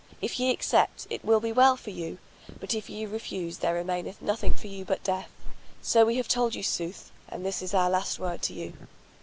If ye accept, it will be well for you; but if ye refuse there remaineth nothing for you but death. So we have told you sooth, and this is our last word to you."